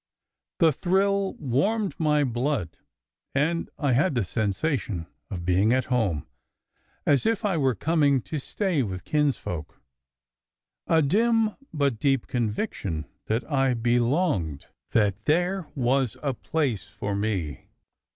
The thrill warmed my blood, and I had the sensation of being at home, as if I were coming to stay with kinsfolk; a dim but deep conviction that I belonged; that there was a place for me.